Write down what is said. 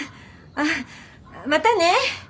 ああまたね！